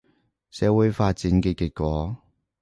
社會發展嘅結果